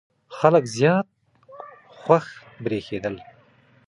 خلک زیات خوښ برېښېدل.